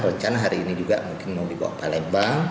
rencana hari ini juga mungkin mau dibawa ke palembang